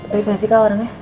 baik gak sih kak orangnya